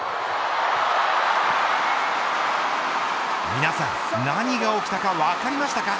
皆さん何が起きたか分かりましたか。